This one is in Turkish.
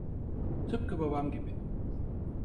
Tıpkı babam gibi.